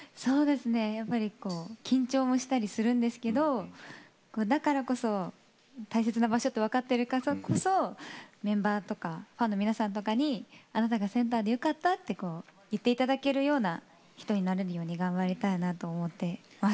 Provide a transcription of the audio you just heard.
やっぱり緊張もしたりするんですけどだからこそ、大切な場所って分かっているからこそメンバーとかファンの皆さんとかにあなたがセンターでよかったって言っていただけるように頑張っていきたいなと思います。